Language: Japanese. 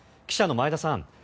記者の前田さん